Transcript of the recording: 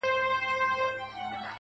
ما وتا بېل كړي سره.